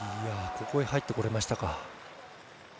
ここに入ってこれましたか。